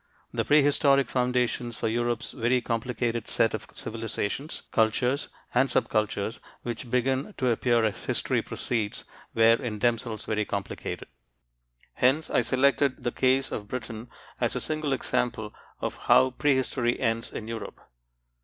The prehistoric foundations for Europe's very complicated set of civilizations, cultures, and sub cultures which begin to appear as history proceeds were in themselves very complicated. Hence, I selected the case of Britain as a single example of how prehistory ends in Europe.